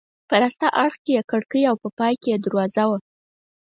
په راسته اړخ کې یې کړکۍ او په پای کې یې دروازه وه.